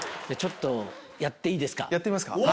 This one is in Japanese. ちょっとやっていいですか？